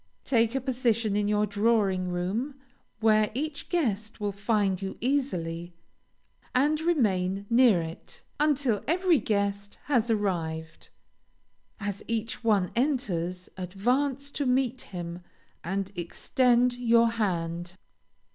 Take a position in your drawing room, where each guest will find you easily, and remain near it, until every guest has arrived. As each one enters, advance to meet him, and extend your hand.